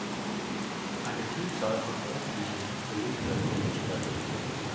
Eine Vielzahl von Veröffentlichungen belegen seine Tätigkeit.